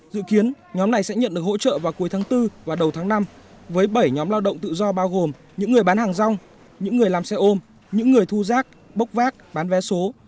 dự kiến nhóm này sẽ nhận được hỗ trợ vào cuối tháng bốn và đầu tháng năm với bảy nhóm lao động tự do bao gồm những người bán hàng rong những người làm xe ôm những người thu rác bốc vác bán vé số